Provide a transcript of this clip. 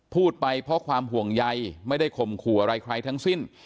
พูดไปเพราะความห่วงใยไม่ได้ข่มขู่อะไรใครทั้งสิ้น